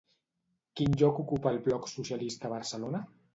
Quin lloc ocupa el bloc socialista a Barcelona?